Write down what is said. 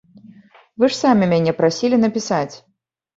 Вы ж самі мяне прасілі напісаць?